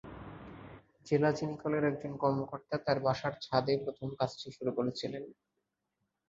জেলা চিনিকলের একজন কর্মকর্তা তাঁর বাসার ছাদে প্রথম কাজটি শুরু করেছিলেন।